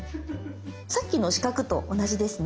さっきの四角と同じですね。